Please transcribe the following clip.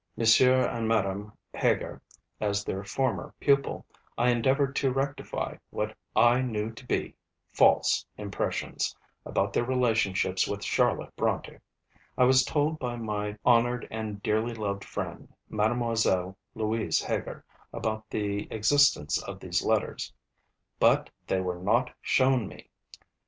and Madame Heger, as their former pupil, I endeavoured to rectify, what I knew to be, false impressions about their relationships with Charlotte Brontë, I was told by my honoured and dearly loved friend, Mademoiselle Louise Heger, about the existence of these Letters; _but they were not shown me.